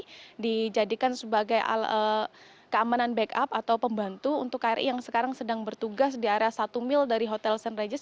ini dijadikan sebagai keamanan backup atau pembantu untuk kri yang sekarang sedang bertugas di area satu mil dari hotel st regis